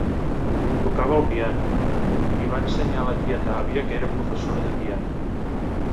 Tocava el piano; n'hi va ensenyar la tieta-àvia, que era professora de piano.